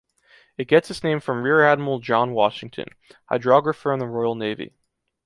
It gets its name from Rear Admiral John Washington, hydrographer in the Royal Navy.